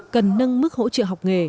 cần nâng mức hỗ trợ học nghề